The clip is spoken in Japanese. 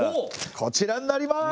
こちらになります。